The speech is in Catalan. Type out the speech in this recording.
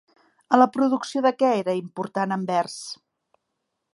En la producció de què era important Anvers?